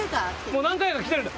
もう何回か来てるんだ？